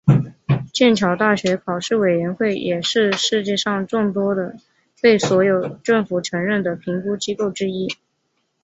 剑桥大学考试委员会也是世界上众多的被所有政府承认的评估机构之一。